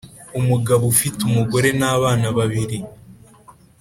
umugabo ufite umugore n’abana babiri